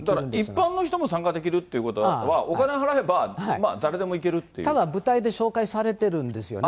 一般の人も参加できるってことは、お金払えば、ただ、舞台で紹介されてるんですよね。